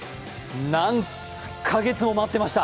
何か月も待ってました。